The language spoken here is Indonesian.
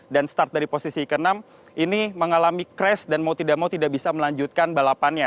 dan start dari posisi ke enam ini mengalami crash dan mau tidak mau tidak bisa melanjutkan balapannya